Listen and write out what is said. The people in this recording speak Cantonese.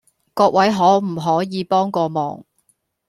各位可唔可以幫個忙